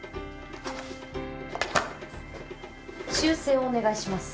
修正をお願いします